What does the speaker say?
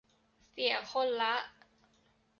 เสียคนละ